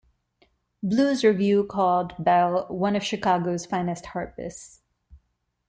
"Blues Revue" called Bell "one of Chicago's finest harpists.